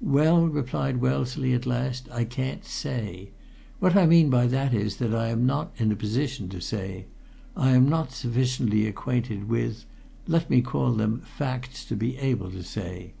"Well," replied Wellesley at last, "I can't say. What I mean by that is that I am not in a position to say. I am not sufficiently acquainted with let me call them facts to be able to say.